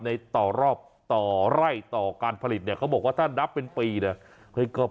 ในต่อรอบต่อไร่ต่อการผลิตเนี่ยเขาบอกว่าถ้านับเป็นปีเนี่ย